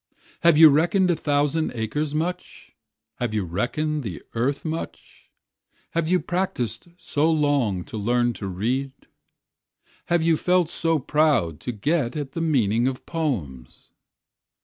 Have you reckon'd a thousand acres much? have you reckon'd the earth much? Have you practis'd so long to learn to read? Have you felt so proud to get at the meaning of poems?